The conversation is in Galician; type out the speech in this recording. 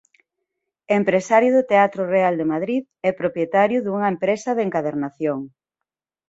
Empresario do Teatro Real de Madrid e propietario dunha empresas de encadernación.